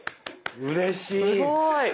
うれしい。